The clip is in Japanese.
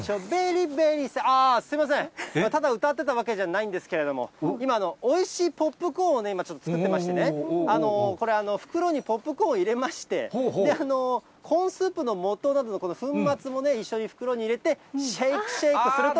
あー、すみません、ただ歌ってたわけじゃないんですけれども、今、おいしいポップコーンを今ちょっと作ってましてね、これ、袋にポップコーンを入れまして、コーンスープのもとなどの粉末も一緒に袋に入れてシェイクシェイクすると。